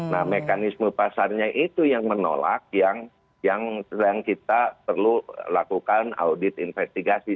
nah mekanisme pasarnya itu yang menolak yang sedang kita perlu lakukan audit investigasi